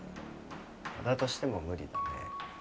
だとしても無理だね